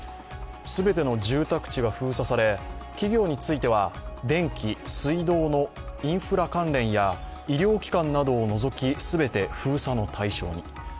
全ての住宅街が封鎖され、企業については電気、水道のインフラ関連や医療機関などを除き全て封鎖の対象に。